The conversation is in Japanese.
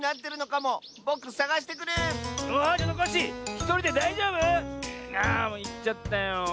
もういっちゃったよ。